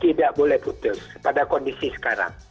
tidak boleh putus pada kondisi sekarang